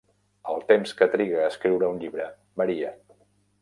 El temps que triga a escriure un llibre varia.